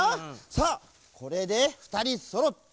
さあこれでふたりそろってふるしん